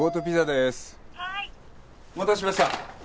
「はい」お待たせしました。